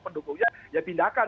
pendukungnya ya pindahkan